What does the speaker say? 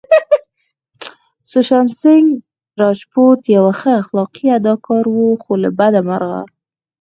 سوشانت سينګ راجپوت يو ښه او اخلاقي اداکار وو خو له بده مرغه